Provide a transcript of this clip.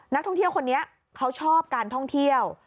นักท่องเที่ยวคนนี้เขาชอบการท่องเที่ยว